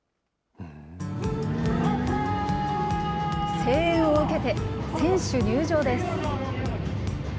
声援を受けて、選手入場です。